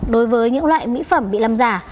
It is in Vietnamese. đối với những loại mỹ phẩm bị làm giả